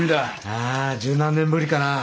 ああ十何年ぶりかな。